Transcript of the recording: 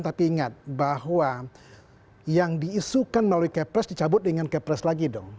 tapi ingat bahwa yang diisukan melalui kepres dicabut dengan kepres lagi dong